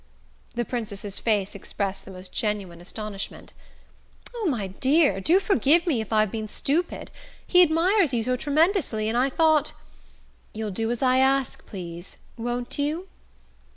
The Princess's face expressed the most genuine astonishment. "Oh, my dear, do forgive me if I've been stupid! He admires you so tremendously; and I thought " "You'll do as I ask, please won't you?"